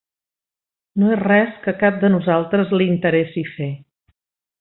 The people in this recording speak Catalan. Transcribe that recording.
No és res que a cap de nosaltres li interessi fer.